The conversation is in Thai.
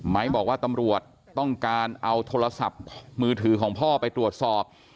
บอกว่าตำรวจต้องการเอาโทรศัพท์มือถือของพ่อไปตรวจสอบ